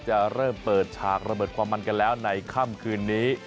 จะเริ่มเปิดฉากระเบิดความมันกันแล้วในค่ำคืนนี้